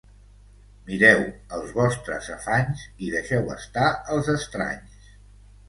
Mireu els vostres afanys i deixeu estar els estranys.